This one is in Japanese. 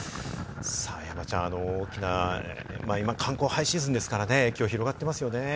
山ちゃん、沖縄、今、観光はハイシーズンですから影響が広がっていますよね。